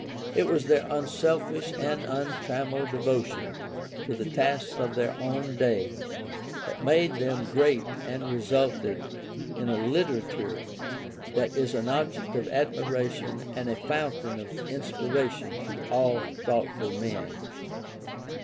It was their unselfish and untrammeled devotion to ,the tasks of their own day that made them great and resulted in a literature that is an object of admiration and a fountain of inspiration to all thoughtful men.